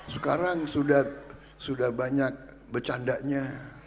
sekarang sudah banyak bercandanya